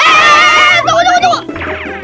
eh tunggu tunggu tunggu